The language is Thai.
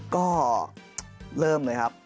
ก็เริ่มเลยครับ